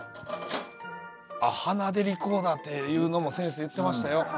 あっ鼻でリコーダーっていうのも先生言ってましたよ。